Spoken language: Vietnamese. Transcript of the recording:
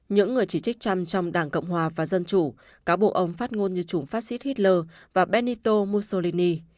những người chỉ trích trump trong đảng cộng hòa và dân chủ cáo buộc ông phát ngôn như chủng phát xít hitler và benito mussolini